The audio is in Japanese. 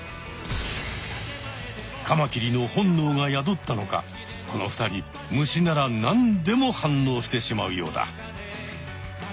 カマキリの本能が宿ったのかこの２人虫ならなんでも反応してしまうようだ。